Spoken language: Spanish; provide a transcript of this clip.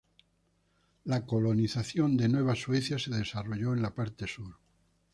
La colonización de Nueva Suecia se desarrolló en la parte sur.